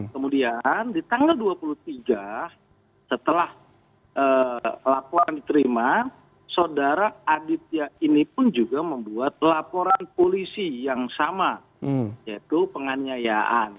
kemudian di tanggal dua puluh tiga setelah laporan diterima saudara aditya ini pun juga membuat laporan polisi yang sama yaitu penganiayaan